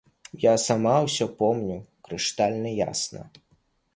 Я сама ўсё помню крыштальна ясна.